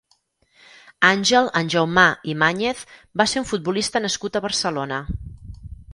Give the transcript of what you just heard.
Àngel Anjaumà i Máñez va ser un futbolista nascut a Barcelona.